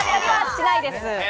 しないです。